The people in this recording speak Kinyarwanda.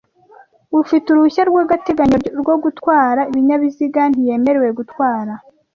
Ufite uruhushya rw’agateganyo rwo gutwara ibinyabiziga ntiyemerewe gutwara